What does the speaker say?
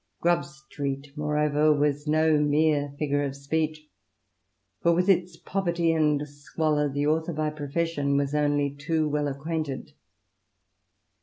Grub Street, moreover, was no mere figure of speech, for with its poverty and squalor the author by profession was only too well acquainted.